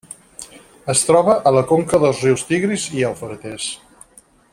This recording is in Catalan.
Es troba a la conca dels rius Tigris i Eufrates.